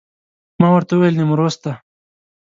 ما ورته وویل نیمروز ته.